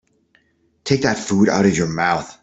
Take that food out of your mouth.